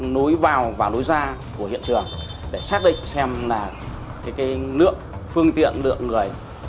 nói vào và nói ra của hiện trường để xác định xem lượng phương tiện lượng người